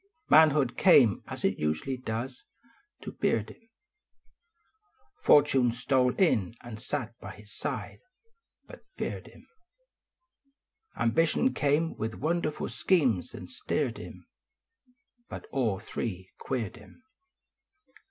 Manhood came, as it usually does, to beard im ; Virtue stole in and sat by his side, but feared im ; Ambition came with wonderful schemes and steered im But all three queered im.